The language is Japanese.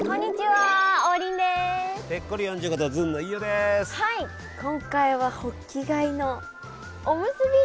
はい今回はホッキ貝のおむすび。